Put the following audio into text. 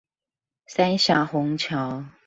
三峽虹橋